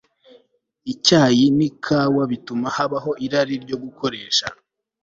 icyayi nikawa bituma habaho irari ryo gukoresha